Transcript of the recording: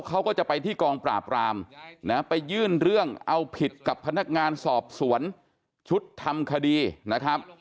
เขาก็จะไปที่กองปราบรามนะไปยื่นเรื่องเอาผิดกับพนักงานสอบสวนชุดทำคดีนะครับ